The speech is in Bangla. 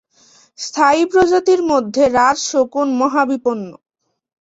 স্থায়ী প্রজাতির মধ্যে রাজ শকুন মহাবিপন্ন।